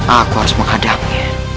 aku harus menghadapnya